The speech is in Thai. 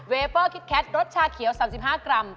เปเปอร์คิดแคทรสชาเขียว๓๕กรัม